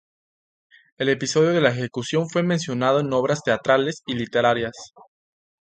El episodio de la ejecución fue mencionado en obras teatrales y literarias.